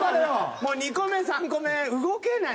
もう２個目３個目動けない。